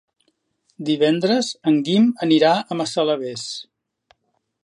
Divendres en Guim anirà a Massalavés.